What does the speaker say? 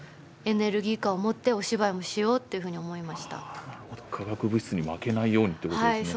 あの実際に化学物質に負けないようにってことですね？